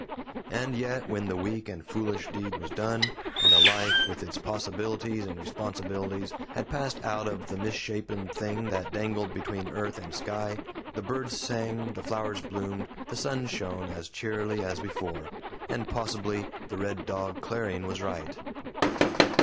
And yet, when the weak and foolish deed was done, and a life, with its possibilities and responsibilities, had passed out of the misshapen thing that dangled between earth and sky, the birds sang, the flowers bloomed, the sun shone, as cheerily as before; and possibly the RED DOG CLARION was right.